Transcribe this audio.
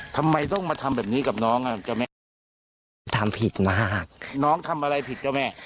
ทำไมต้องมาทำแบบนี้กับน้องอ่ะเจ้าแม่ผมทำผิดนะฮะน้องทำอะไรผิดเจ้าแม่